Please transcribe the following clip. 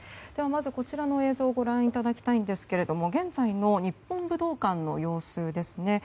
まず、こちらの映像をご覧いただきたいんですが現在の日本武道館の様子ですね。